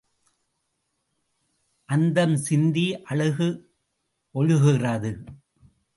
அந்தம் சிந்தி அழகு ஒழுகுகிறது.